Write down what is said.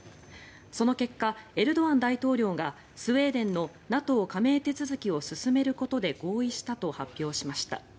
その結果、エルドアン大統領がスウェーデンのＮＡＴＯ加盟手続きを進めることで合意したと発表しました。